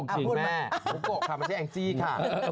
บุโกะคือแม่